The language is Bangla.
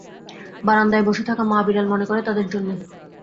বারান্দায় বসে-থাকা মা- বিড়াল মনে করে তাদের জন্যে।